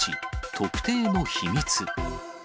特定の秘密。